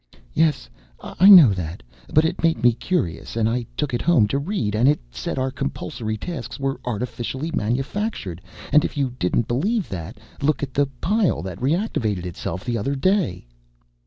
"Yes, I know that. But it made me curious and I took it home to read, and it said our compulsory tasks were artificially manufactured and, if you didn't believe that, look at the pile that reactivated itself the other day."